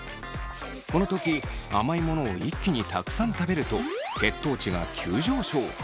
この時甘いものを一気にたくさん食べると血糖値が急上昇。